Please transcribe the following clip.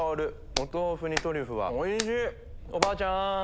お豆腐にトリュフはおいしい！